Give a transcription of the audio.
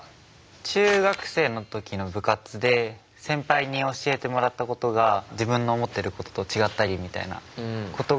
中学生の時の部活で先輩に教えてもらったことが自分の思ってることと違ったりみたいなことが何回かありましたね。